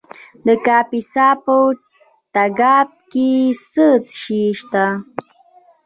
د کاپیسا په تګاب کې څه شی شته؟